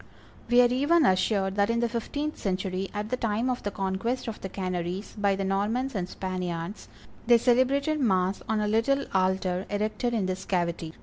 We are even assured that in the fifteenth century, at the time of the conquest of the Canaries by the Normans and Spaniards, they celebrated mass on a little altar erected in this cavity.